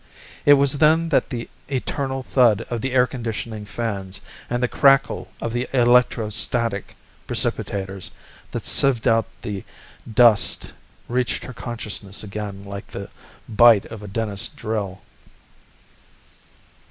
It was then that the eternal thud of the air conditioning fans and the crackle of the electrostatic precipitators that sieved out the dust reached her consciousness again like the bite of a dentist's drill.